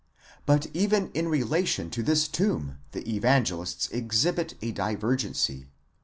But even in relation to this tomb the Evangelists exhibit a divergency.